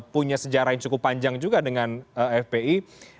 punya sejarah yang cukup panjang juga dengan fpi